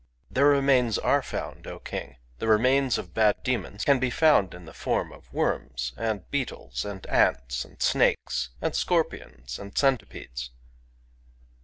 ...—Thei r rem ains are found^^O King. ..• The remains of bad demons can be found in the form of worms and beetles and ants and snakes and scorpions and centipedes.